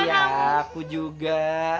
iya aku juga